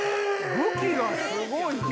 武器がすごいよ。